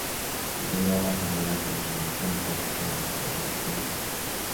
Integró la afamada Academia Antártica de la Ciudad de los Reyes o Lima.